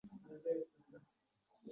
Biroq, qalbi charx urdi bo’zlab